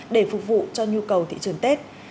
để phục vụ cho nhu cầu thị trường tết